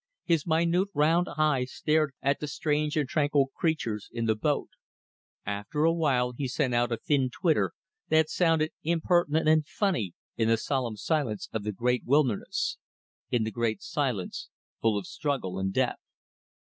His minute round eye stared at the strange and tranquil creatures in the boat. After a while he sent out a thin twitter that sounded impertinent and funny in the solemn silence of the great wilderness; in the great silence full of struggle and death.